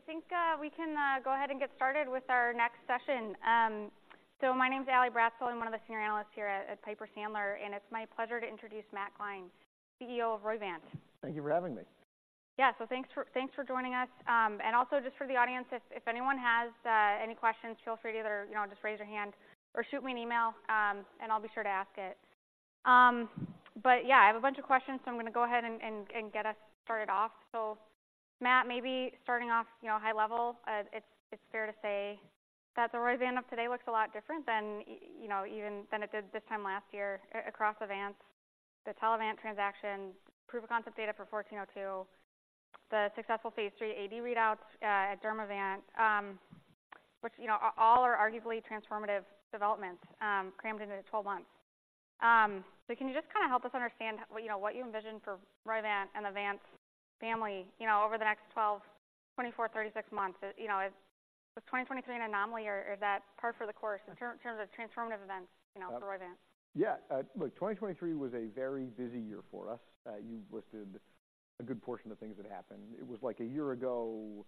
I think we can go ahead and get started with our next session. So my name is Allison Bratzel. I'm one of the senior analysts here at Piper Sandler, and it's my pleasure to introduce Matt Gline, CEO of Roivant. Thank you for having me. Yeah. So thanks for joining us. And also just for the audience, if anyone has any questions, feel free to either, you know, just raise your hand or shoot me an email, and I'll be sure to ask it. But yeah, I have a bunch of questions, so I'm going to go ahead and get us started off. So Matt, maybe starting off, you know, high level, it's fair to say that the Roivant of today looks a lot different than, you know, even than it did this time last year across advances. The Telavant transaction, proof of concept data for 1402, the successful Phase III AD readouts at Dermavant, which, you know, all are arguably transformative developments crammed into 12 months. So can you just kind of help us understand, you know, what you envision for Roivant and the Vant family, you know, over the next 12, 24, 36 months? You know, was 2023 an anomaly, or is that par for the course in terms of transformative events, you know, for Roivant? Yeah, look, 2023 was a very busy year for us. You listed a good portion of things that happened. It was like a year ago,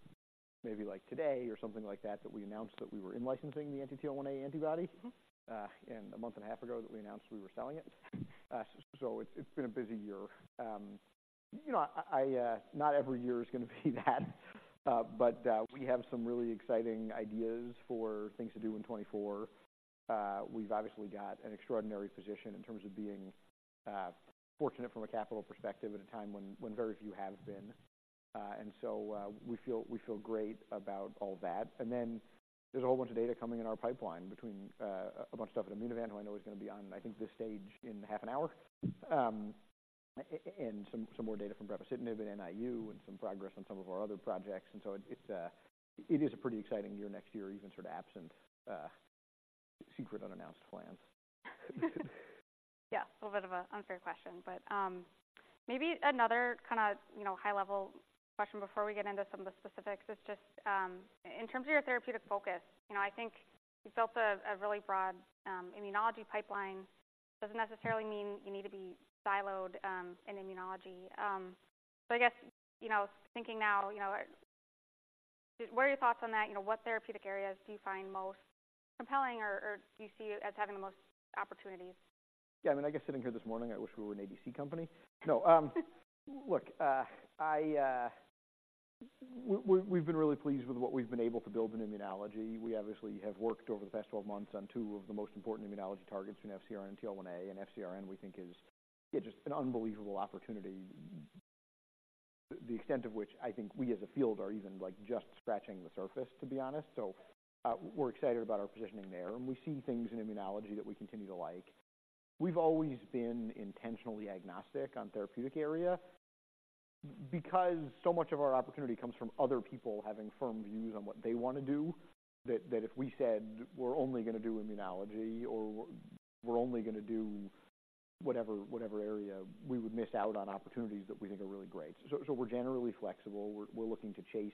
maybe like today or something like that, that we announced that we were in licensing the anti-TL1A antibody. And a month and a half ago that we announced we were selling it. So it's been a busy year. You know, not every year is going to be that. But we have some really exciting ideas for things to do in 2024. We've obviously got an extraordinary position in terms of being fortunate from a capital perspective at a time when very few have been. And so we feel great about all that. And then there's a whole bunch of data coming in our pipeline between a bunch of stuff at Immunovant, who I know is going to be on, I think, this stage in half an hour, and some more data from brepocitinib at NIU and some progress on some of our other projects. And so it is a pretty exciting year next year, even sort of absent secret unannounced plans. Yeah, a little bit of an unfair question, but, maybe another kind of, you know, high-level question before we get into some of the specifics is just, in terms of your therapeutic focus, you know, I think you built a really broad immunology pipeline. Doesn't necessarily mean you need to be siloed in immunology. So I guess, you know, thinking now, you know, what are your thoughts on that? You know, what therapeutic areas do you find most compelling or do you see as having the most opportunities? Yeah, I mean, I guess sitting here this morning, I wish we were an ADC company. No. Look, I, we've been really pleased with what we've been able to build in immunology. We obviously have worked over the past 12 months on two of the most important immunology targets in FcRn and TL1A, and FcRn, we think is, yeah, just an unbelievable opportunity, the extent of which I think we as a field are even, like, just scratching the surface, to be honest. So, we're excited about our positioning there, and we see things in immunology that we continue to like. We've always been intentionally agnostic on therapeutic area because so much of our opportunity comes from other people having firm views on what they want to do, that if we said we're only going to do immunology or we're only going to do whatever, whatever area, we would miss out on opportunities that we think are really great. So we're generally flexible. We're looking to chase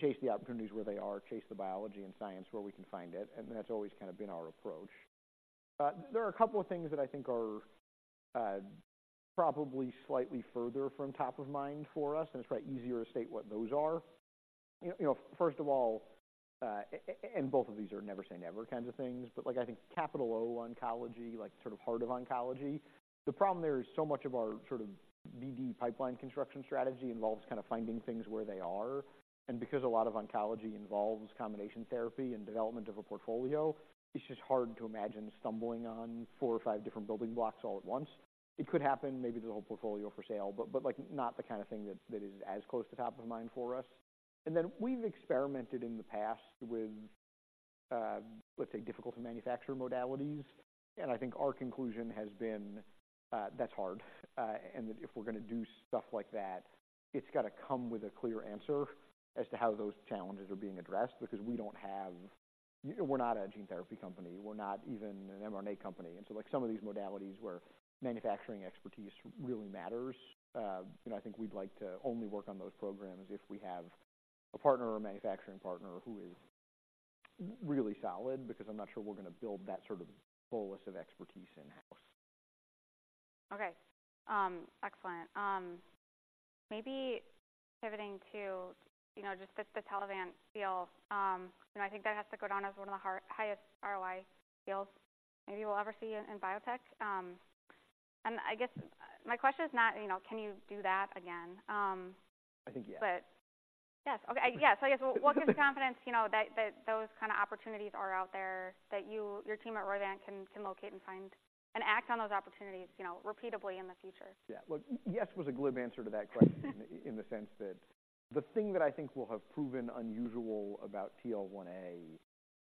chase the opportunities where they are, chase the biology and science where we can find it, and that's always kind of been our approach. There are a couple of things that I think are probably slightly further from top of mind for us, and it's probably easier to state what those are. First of all, and both of these are never say never kinds of things, but, like, I think capital O, oncology, like sort of heart of oncology, the problem there is so much of our sort of BD pipeline construction strategy involves kind of finding things where they are. And because a lot of oncology involves combination therapy and development of a portfolio, it's just hard to imagine stumbling on four or five different building blocks all at once. It could happen, maybe there's a whole portfolio for sale, but, like, not the kind of thing that's, that is as close to top of mind for us. And then we've experimented in the past with, let's say, difficult to manufacture modalities, and I think our conclusion has been, that's hard. and that if we're going to do stuff like that, it's got to come with a clear answer as to how those challenges are being addressed, because we don't have... We're not a gene therapy company, we're not even an mRNA company. And so, like, some of these modalities where manufacturing expertise really matters, you know, I think we'd like to only work on those programs if we have a partner or a manufacturing partner who is really solid, because I'm not sure we're going to build that sort of bolus of expertise in-house. Okay. Excellent. Maybe pivoting to, you know, just the, the Telavant deal. And I think that has to go down as one of the highest ROI deals maybe we'll ever see in, in biotech. And I guess my question is not, you know, can you do that again? I think, yes. Yes. So I guess what gives you confidence, you know, that, that those kind of opportunities are out there, that you, your team at Roivant can, can locate and find and act on those opportunities, you know, repeatably in the future? Yeah, look, yes was a glib answer to that question in the sense that the thing that I think will have proven unusual about TL1A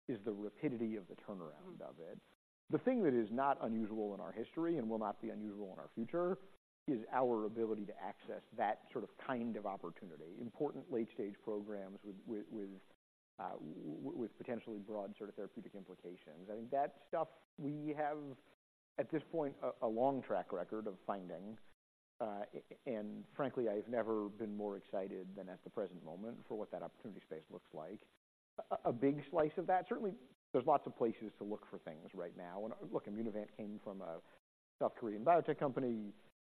is the rapidity of the turnaround of it. The thing that is not unusual in our history and will not be unusual in our future is our ability to access that sort of kind of opportunity, important late-stage programs with with with with potentially broad sort of therapeutic implications. I think that stuff we have, at this point, a a long track record of finding and frankly, I've never been more excited than at the present moment for what that opportunity space looks like. A a big slice of that, certainly there's lots of places to look for things right now. And look, Immunovant came from a South Korean biotech company.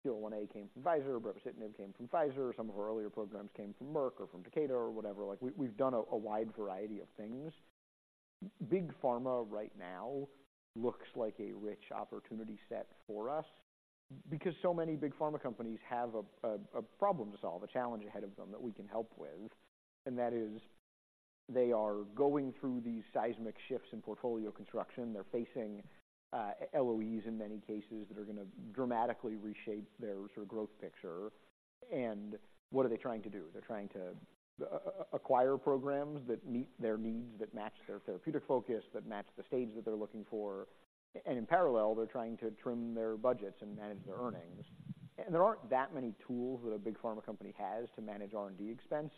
TL1A came from Pfizer, brepocitinib came from Pfizer, some of our earlier programs came from Merck or from Takeda or whatever. Like, we've done a wide variety of things. Big pharma right now looks like a rich opportunity set for us because so many big pharma companies have a problem to solve, a challenge ahead of them that we can help with. And that is they are going through these seismic shifts in portfolio construction. They're facing LOEs in many cases that are going to dramatically reshape their sort of growth picture. And what are they trying to do? They're trying to acquire programs that meet their needs, that match their therapeutic focus, that match the stage that they're looking for. And in parallel, they're trying to trim their budgets and manage their earnings. And there aren't that many tools that a big pharma company has to manage R&D expense.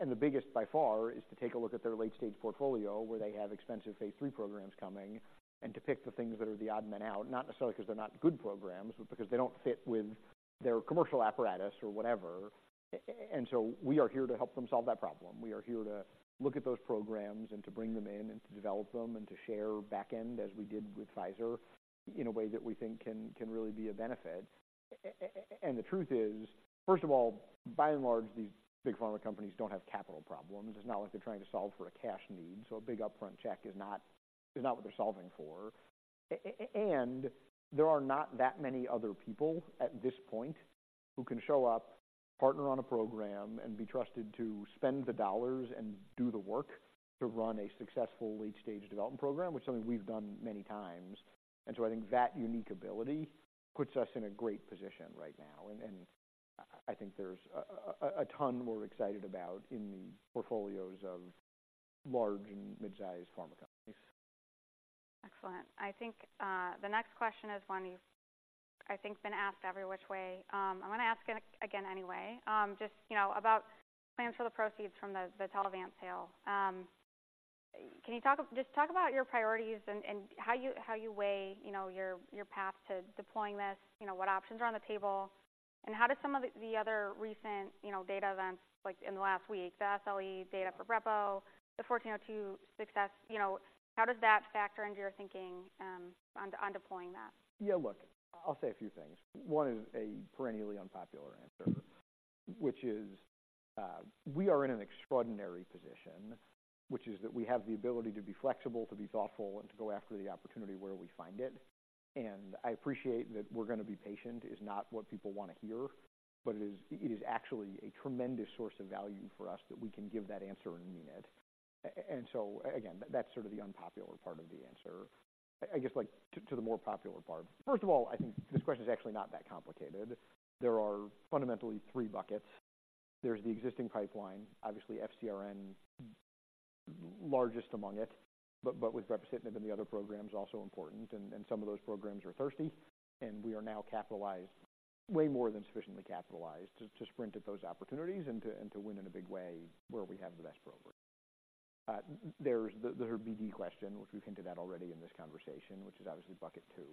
And the biggest by far is to take a look at their late-stage portfolio, where they have expensive phase III programs coming, and to pick the things that are the odd men out, not necessarily 'cause they're not good programs, but because they don't fit with their commercial apparatus or whatever. And so we are here to help them solve that problem. We are here to look at those programs and to bring them in and to develop them and to share back end, as we did with Pfizer, in a way that we think can really be of benefit. And the truth is, first of all, by and large, these big pharma companies don't have capital problems. It's not like they're trying to solve for a cash need, so a big upfront check is not, is not what they're solving for. And there are not that many other people at this point who can show up, partner on a program, and be trusted to spend the dollars and do the work to run a successful late-stage development program, which is something we've done many times. And so I think that unique ability puts us in a great position right now, and I think there's a ton we're excited about in the portfolios of large and mid-sized pharma companies. Excellent. I think, the next question is one you've, I think, been asked every which way. I'm gonna ask it again anyway. Just, you know, about plans for the proceeds from the Telavant sale. Can you talk... Just talk about your priorities and, and how you, how you weigh, you know, your, your path to deploying this, you know, what options are on the table, and how do some of the, the other recent, you know, data events, like in the last week, the SLE data for Brepo, the 1402 success, you know, how does that factor into your thinking, on, on deploying that? Yeah, look, I'll say a few things. One is a perennially unpopular answer, which is, we are in an extraordinary position, which is that we have the ability to be flexible, to be thoughtful, and to go after the opportunity where we find it. And I appreciate that "we're gonna be patient" is not what people want to hear, but it is, it is actually a tremendous source of value for us that we can give that answer and mean it. And so again, that's sort of the unpopular part of the answer. I guess, like, to the more popular part, first of all, I think this question is actually not that complicated. There are fundamentally three buckets. There's the existing pipeline, obviously FcRn largest among it, but with brepocitinib and the other programs also important, and some of those programs are thirsty. We are now capitalized, way more than sufficiently capitalized to sprint at those opportunities and to win in a big way where we have the best program. There's the BD question, which we've hinted at already in this conversation, which is obviously bucket two.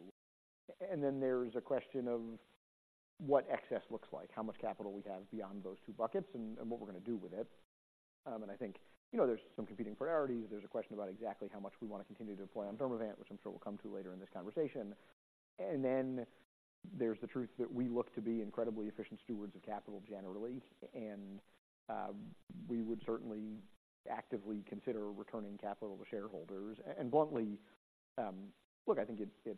And then there's a question of what excess looks like, how much capital we have beyond those two buckets, and what we're gonna do with it. And I think, you know, there's some competing priorities. There's a question about exactly how much we want to continue to deploy on Telavant, which I'm sure we'll come to later in this conversation. And then there's the truth that we look to be incredibly efficient stewards of capital generally, and we would certainly actively consider returning capital to shareholders. And bluntly, look, I think it, it...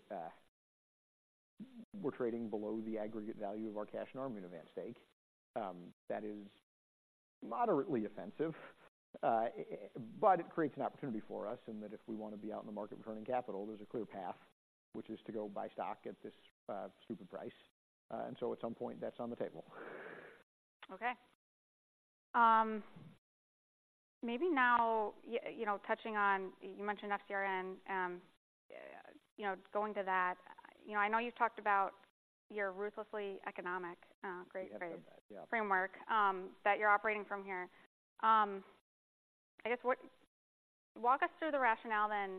We're trading below the aggregate value of our cash in our Telavant stake. That is moderately offensive, but it creates an opportunity for us in that if we want to be out in the market returning capital, there's a clear path, which is to go buy stock at this, stupid price. And so at some point, that's on the table. Okay. Maybe now, you know, touching on, you mentioned FcRn, you know, going to that. I know you've talked about your ruthlessly economic framework that you're operating from here. I guess, walk us through the rationale then,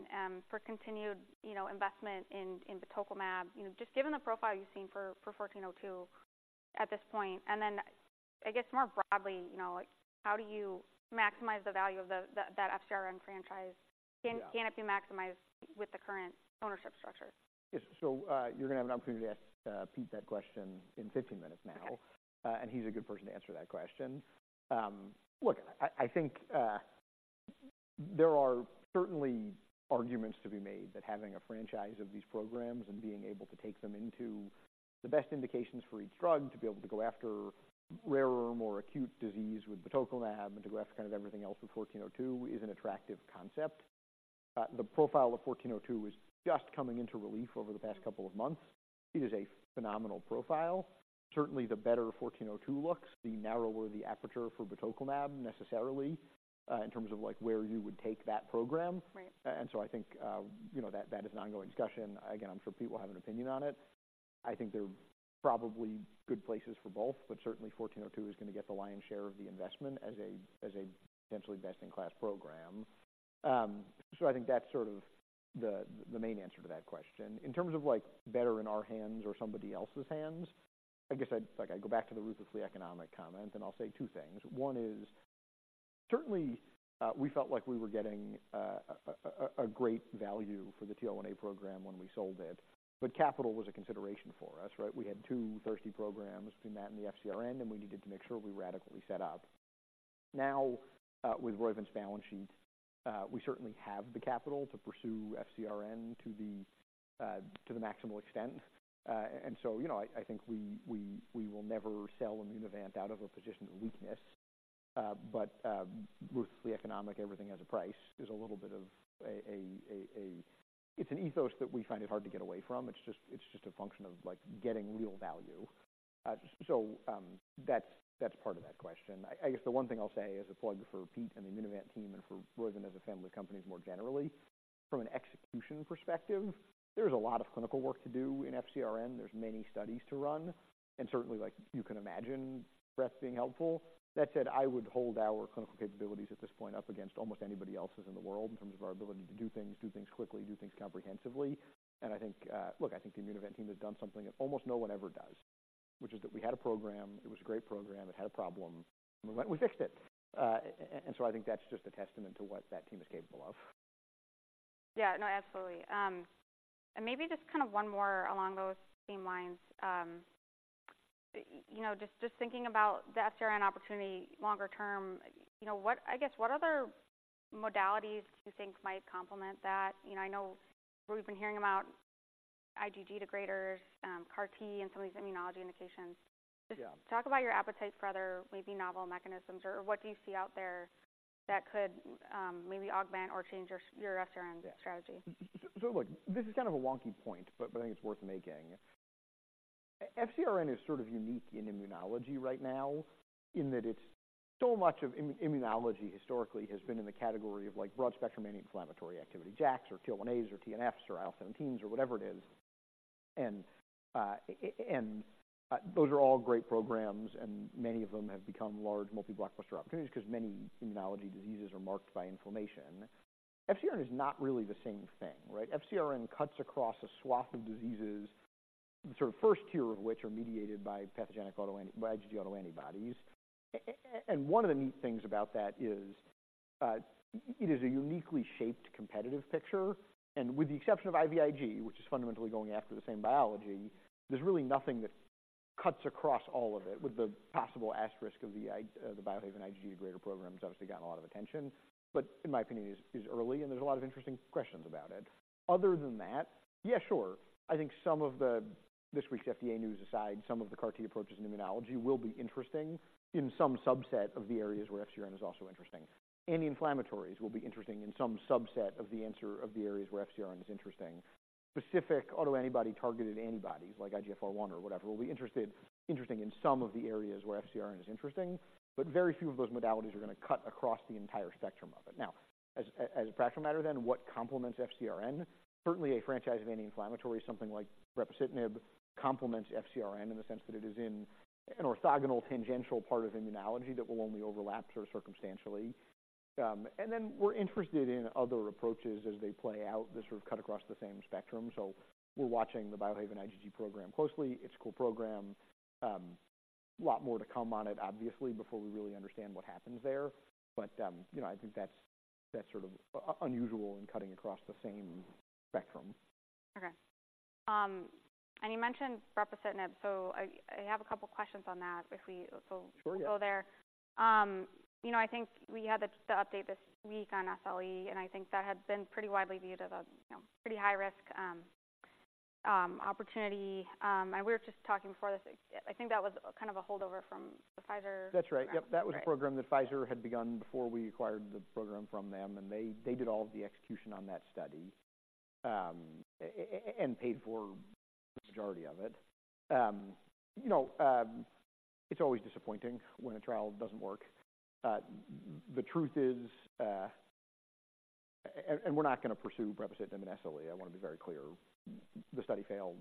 for continued, you know, investment in batoclimab. You know, just given the profile you've seen for 1402 at this point, and then I guess more broadly, you know, like, how do you maximize the value of that FcRn franchise? Yeah. Can it be maximized with the current ownership structure? Yes. So, you're gonna have an opportunity to ask Pete that question in 15 minutes now. Okay. He's a good person to answer that question. Look, I think there are certainly arguments to be made that having a franchise of these programs and being able to take them into the best indications for each drug, to be able to go after rarer, more acute disease with batoclimab, and to go after kind of everything else with 1402 is an attractive concept. The profile of 1402 is just coming into relief over the past couple of months. It is a phenomenal profile. Certainly, the better 1402 looks, the narrower the aperture for batoclimab necessarily, in terms of like where you would take that program. Right. And so I think, you know, that is an ongoing discussion. Again, I'm sure Pete will have an opinion on it. I think there are probably good places for both, but certainly 1402 is gonna get the lion's share of the investment as a, as a potentially best-in-class program. So I think that's sort of the main answer to that question. In terms of like, better in our hands or somebody else's hands, I guess I'd go back to the ruthlessly economic comment, and I'll say two things. One is. Certainly, we felt like we were getting a great value for the TL1A program when we sold it, but capital was a consideration for us, right? We had two thirsty programs between that and the FcRn, and we needed to make sure we were adequately set up. Now, with Roivant's balance sheet, we certainly have the capital to pursue FcRn to the maximal extent. So, you know, I think we will never sell Immunovant out of a position of weakness. But ruthlessly economic, everything has a price is a little bit of a. It's an ethos that we find it hard to get away from. It's just a function of, like, getting real value. So, that's part of that question. I guess the one thing I'll say as a plug for Pete and the Immunovant team and for Roivant as a family of companies, more generally, from an execution perspective, there's a lot of clinical work to do in FcRn. There's many studies to run, and certainly, like, you can imagine breadth being helpful. That said, I would hold our clinical capabilities at this point up against almost anybody else's in the world in terms of our ability to do things, do things quickly, do things comprehensively. And I think, look, I think the Immunovant team has done something that almost no one ever does, which is that we had a program, it was a great program, it had a problem, and we fixed it. And so I think that's just a testament to what that team is capable of. Yeah. No, absolutely. And maybe just kind of one more along those same lines. You know, just, just thinking about the FcRn opportunity longer term, you know, what-- I guess, what other modalities do you think might complement that? You know, I know we've been hearing about IgG degraders, CAR-T, and some of these immunology indications. Yeah. Just talk about your appetite for other maybe novel mechanisms, or what do you see out there that could, maybe augment or change your, your FcRn strategy? So, look, this is kind of a wonky point, but I think it's worth making. FcRn is sort of unique in immunology right now in that it's... So much of immunology historically has been in the category of, like, broad-spectrum anti-inflammatory activity, JAKs or TL1As or TNFs or IL-17s or whatever it is. And those are all great programs, and many of them have become large, multi-blockbuster opportunities 'cause many immunology diseases are marked by inflammation. FcRn is not really the same thing, right? FcRn cuts across a swath of diseases, sort of first tier of which are mediated by pathogenic IgG autoantibodies. And one of the neat things about that is, it is a uniquely shaped competitive picture, and with the exception of IVIG, which is fundamentally going after the same biology, there's really nothing that cuts across all of it with the possible asterisk of the Biohaven IgG degrader program has obviously gotten a lot of attention. But in my opinion, it is early, and there's a lot of interesting questions about it. Other than that, yeah, sure. I think some of the... This week's FDA news aside, some of the CAR-T approaches in immunology will be interesting in some subset of the areas where FcRn is also interesting. Anti-inflammatories will be interesting in some subset of the areas where FcRn is interesting. Specific autoantibody targeted antibodies, like IGF-1R or whatever, will be interesting in some of the areas where FcRn is interesting, but very few of those modalities are going to cut across the entire spectrum of it. Now, as a practical matter then, what complements FcRn? Certainly, a franchise of anti-inflammatory, something like brepocitinib, complements FcRn in the sense that it is in an orthogonal, tangential part of immunology that will only overlap sort of circumstantially. And then we're interested in other approaches as they play out, that sort of cut across the same spectrum. So we're watching the Biohaven IgG program closely. It's a cool program. A lot more to come on it, obviously, before we really understand what happens there. But, you know, I think that's sort of unusual in cutting across the same spectrum. Okay. You mentioned brepocitinib, so I have a couple questions on that if we'll go there. You know, I think we had the, the update this week on SLE, and I think that had been pretty widely viewed as a, you know, pretty high-risk, opportunity. And we were just talking before this, I think that was kind of a holdover from the Pfizer. That's right. Right. Yep, that was a program that Pfizer had begun before we acquired the program from them, and they did all of the execution on that study and paid for the majority of it. You know, it's always disappointing when a trial doesn't work. The truth is, we're not going to pursue brepocitinib in SLE. I want to be very clear. The study failed.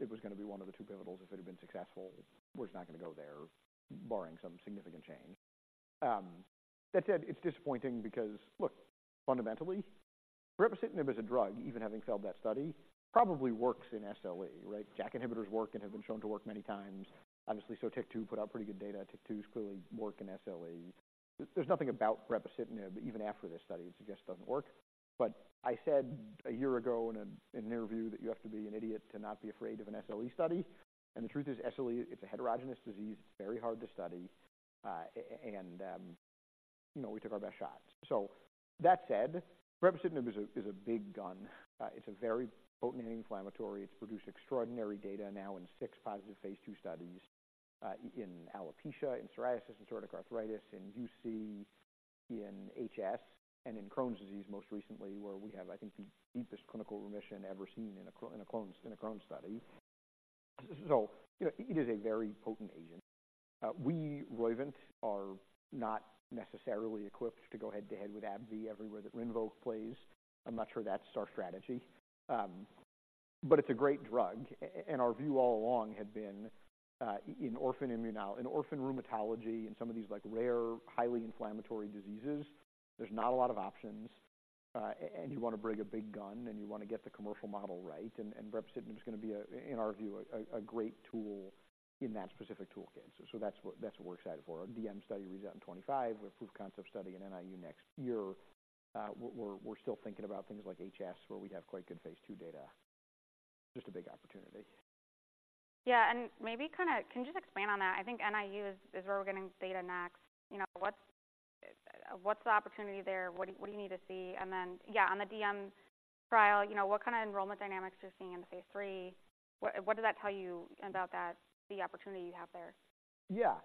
It was going to be one of the two pivotals if it had been successful. We're just not going to go there barring some significant change. That said, it's disappointing because, look, fundamentally, brepocitinib as a drug, even having failed that study, probably works in SLE, right? JAK inhibitors work and have been shown to work many times. Obviously, so TYK2 put out pretty good data. TYK2s clearly work in SLE. There's nothing about brepocitinib, even after this study, it just doesn't work. But I said a year ago in an interview, that you have to be an idiot to not be afraid of an SLE study. And the truth is, SLE, it's a heterogeneous disease. It's very hard to study, and you know, we took our best shot. So that said, brepocitinib is a big gun. It's a very potent anti-inflammatory. It's produced extraordinary data now in six positive phase II studies, in alopecia, in psoriasis, in psoriatic arthritis, in UC, in HS, and in Crohn's disease most recently, where we have, I think, the deepest clinical remission ever seen in a Crohn's study. So you know, it is a very potent agent. We, Roivant, are not necessarily equipped to go head-to-head with AbbVie everywhere that Rinvoq plays. I'm not sure that's our strategy. But it's a great drug, and our view all along had been, in orphan rheumatology and some of these, like, rare, highly inflammatory diseases, there's not a lot of options. And you want to bring a big gun, and you want to get the commercial model right, and brepocitinib is going to be a, in our view, a great tool in that specific toolkit. So that's what we're excited for. Our DM study reads out in 2025, a proof-of-concept study in NIU next year. We're still thinking about things like HS, where we'd have quite good phase II data. Just a big opportunity. Yeah, and maybe kind of, can you just expand on that? I think NIU is where we're getting data next. You know, what's the opportunity there? What do you need to see? And then, yeah, on the DM trial, you know, what kind of enrollment dynamics you're seeing in the phase III? What does that tell you about that, the opportunity you have there? Yeah.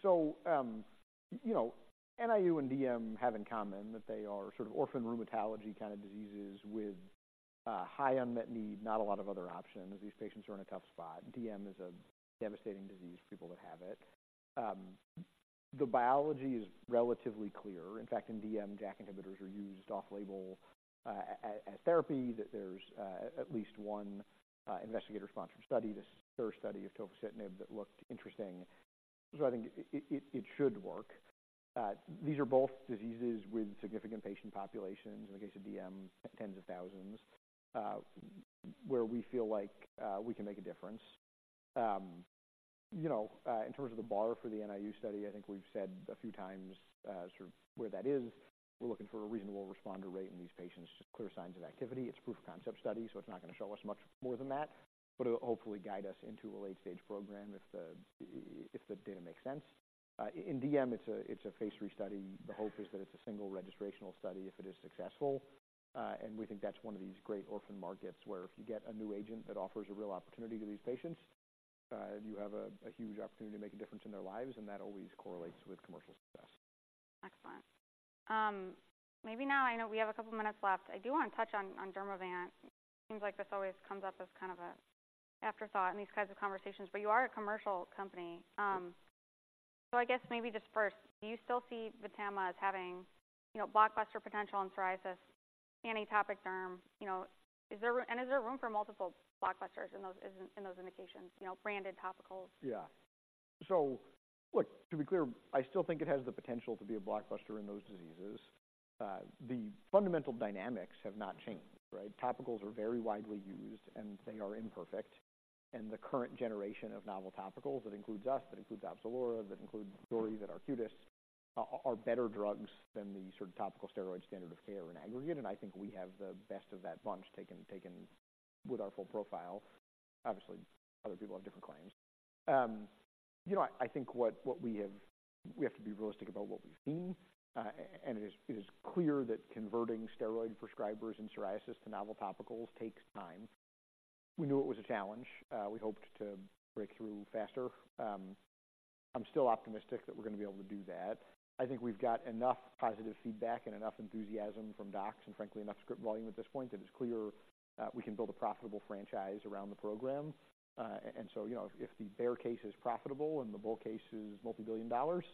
So, you know, NIU and DM have in common that they are sort of orphan rheumatology kind of diseases with high unmet need, not a lot of other options. These patients are in a tough spot. DM is a devastating disease for people that have it. The biology is relatively clear. In fact, in DM, JAK inhibitors are used off label as therapy, that there's at least one investigator-sponsored study, this third study of tofacitinib that looked interesting. So I think it should work. These are both diseases with significant patient populations, in the case of DM, tens of thousands, where we feel like we can make a difference. You know, in terms of the bar for the NIU study, I think we've said a few times, sort of where that is. We're looking for a reasonable responder rate in these patients, just clear signs of activity. It's a proof of concept study, so it's not going to show us much more than that, but it'll hopefully guide us into a late-stage program if the data makes sense. In DM, it's a phase III study. The hope is that it's a single registrational study if it is successful. We think that's one of these great orphan markets, where if you get a new agent that offers a real opportunity to these patients, you have a huge opportunity to make a difference in their lives, and that always correlates with commercial success. Excellent. Maybe now, I know we have a couple minutes left. I do want to touch on Dermavant. Seems like this always comes up as kind of an afterthought in these kinds of conversations, but you are a commercial company. So I guess maybe just first, do you still see VTAMA as having, you know, blockbuster potential in psoriasis, any topical derm? You know, is there room, and is there room for multiple blockbusters in those indications, you know, branded topicals? Yeah. So look, to be clear, I still think it has the potential to be a blockbuster in those diseases. The fundamental dynamics have not changed, right? Topicals are very widely used, and they are imperfect. And the current generation of novel topicals, that includes us, that includes Opzelura, that includes Zoryve, that Arcutis, are better drugs than the sort of topical steroid standard of care in aggregate. And I think we have the best of that bunch taken with our full profile. Obviously, other people have different claims. You know, I think what we have... We have to be realistic about what we've seen, and it is clear that converting steroid prescribers and psoriasis to novel topicals takes time. We knew it was a challenge. We hoped to break through faster. I'm still optimistic that we're going to be able to do that. I think we've got enough positive feedback and enough enthusiasm from docs and frankly, enough script volume at this point that it's clear, we can build a profitable franchise around the program. And so, you know, if the bear case is profitable and the bull case is multibillion dollars,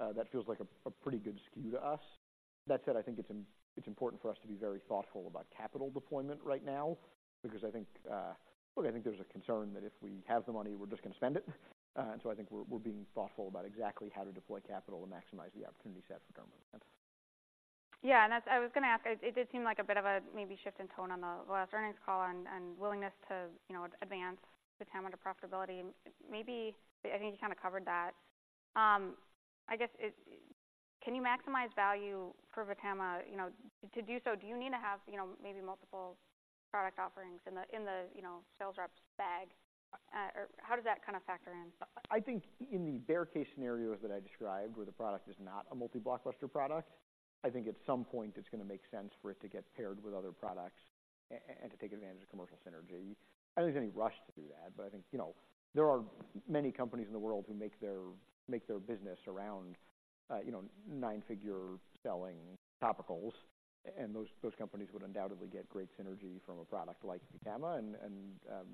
that feels like a pretty good skew to us. That said, I think it's, it's important for us to be very thoughtful about capital deployment right now, because I think, look, I think there's a concern that if we have the money, we're just going to spend it. So I think we're being thoughtful about exactly how to deploy capital and maximize the opportunity set for government events. Yeah, and that's—I was going to ask, it did seem like a bit of a maybe shift in tone on the last earnings call and willingness to, you know, advance the timeline to profitability. Maybe, I think you kind of covered that. I guess it—can you maximize value for VTAMA? You know, to do so, do you need to have, you know, maybe multiple product offerings in the sales rep's bag? Or how does that kind of factor in? I think in the bear case scenarios that I described, where the product is not a multi-blockbuster product, I think at some point it's going to make sense for it to get paired with other products and to take advantage of commercial synergy. I don't think there's any rush to do that, but I think, you know, there are many companies in the world who make their business around, you know, nine-figure selling topicals, and those companies would undoubtedly get great synergy from a product like VTAMA.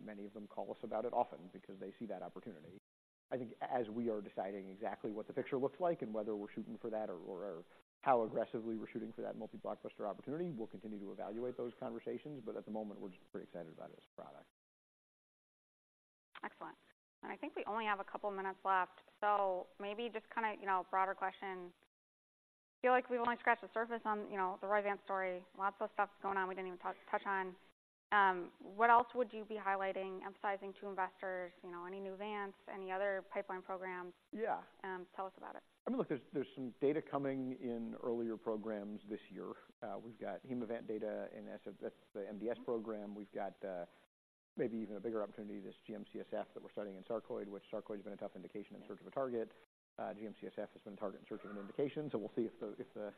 Many of them call us about it often because they see that opportunity. I think as we are deciding exactly what the picture looks like and whether we're shooting for that or how aggressively we're shooting for that multi-blockbuster opportunity, we'll continue to evaluate those conversations. But at the moment, we're just pretty excited about this product. Excellent. And I think we only have a couple minutes left, so maybe just kind of, you know, a broader question. I feel like we've only scratched the surface on, you know, the Roivant story. Lots of stuff going on we didn't even touch on. What else would you be highlighting, emphasizing to investors? You know, any new Vants, any other pipeline programs? Yeah. Tell us about it. I mean, look, there's some data coming in earlier programs this year. We've got Hemavant data, and that's the MDS program. We've got maybe even a bigger opportunity, this GM-CSF that we're studying in sarcoid, which sarcoid has been a tough indication in search of a target. GM-CSF has been a target in search of an indication, so we'll see if the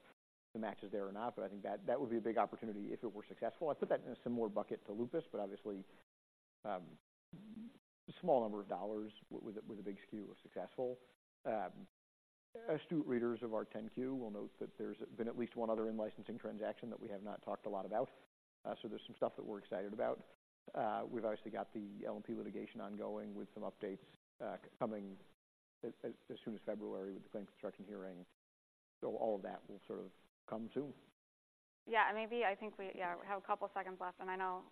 match is there or not. But I think that would be a big opportunity if it were successful. I put that in a similar bucket to lupus, but obviously small number of dollars with a big skew of successful. Astute readers of our 10-Q will note that there's been at least one other in-licensing transaction that we have not talked a lot about. So there's some stuff that we're excited about. We've obviously got the LNP litigation ongoing, with some updates coming as soon as February with the claim construction hearing. All of that will sort of come soon. Yeah, maybe. I think we, yeah, we have a couple seconds left, and I know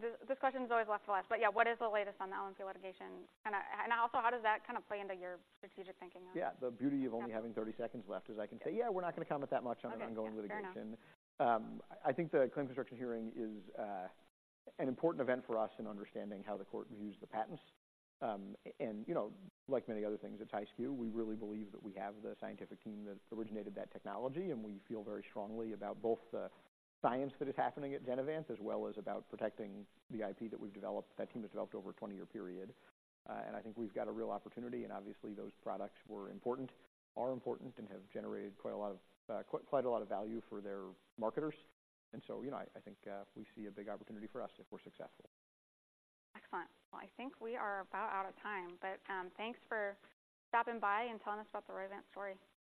this question is always left to last, but yeah. What is the latest on the LNP litigation? And, and also, how does that kind of play into your strategic thinking? Yeah, the beauty of only having 30 seconds left is I can say, "Yeah, we're not going to comment that much on ongoing litigation. Fair enough. I think the claim construction hearing is an important event for us in understanding how the court views the patents. You know, like many other things, it's high stakes. We really believe that we have the scientific team that originated that technology, and we feel very strongly about both the science that is happening at Genevant, as well as about protecting the IP that we've developed, that team has developed over a 20-year period. I think we've got a real opportunity, and obviously, those products were important, are important, and have generated quite a lot of, quite a lot of value for their marketers. So, you know, I, I think, we see a big opportunity for us if we're successful. Excellent. Well, I think we are about out of time, but, thanks for stopping by and telling us about the Roivant story.